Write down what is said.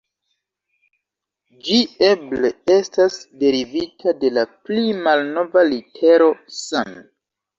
Ĝi eble estas derivita de la pli malnova litero san.